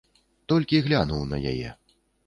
Толькі глянуў на яе.